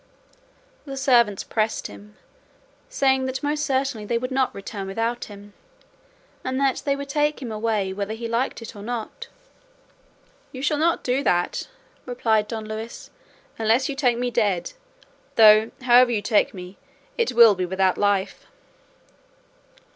The servants pressed him, saying that most certainly they would not return without him, and that they would take him away whether he liked it or not. "You shall not do that," replied Don Luis, "unless you take me dead; though however you take me, it will be without life."